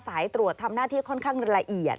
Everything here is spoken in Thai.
สายตรวจทำหน้าที่ค่อนข้างละเอียด